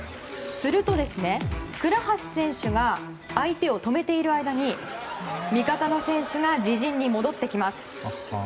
すると倉橋選手が相手を止めている間に味方の選手が自陣に戻ってきます。